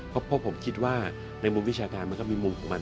เพราะผมคิดว่าในมุมวิชาการมันก็มีมุมของมัน